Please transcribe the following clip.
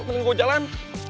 mending gue jalan